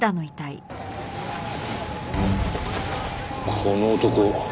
この男。